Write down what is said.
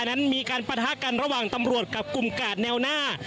นั้นมีการปะทะกันระหว่างตำรวจกับกลุ่มกาดแนวหน้า